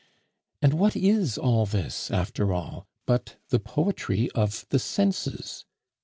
And what is all this, after all, but the poetry of the senses?